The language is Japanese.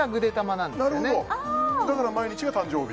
なるほどだから毎日が誕生日？